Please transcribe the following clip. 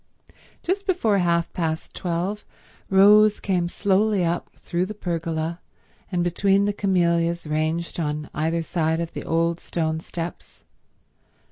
Just before half past twelve Rose came slowly up through the pergola and between the camellias ranged on either side of the old stone steps.